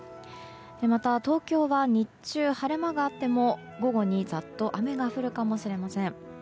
また東京は日中晴れ間があっても午後に、ざっと雨が降るかもしれません。